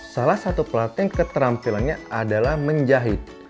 salah satu pelatihan keterampilannya adalah menjahit